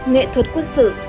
nghệ thuật quân sự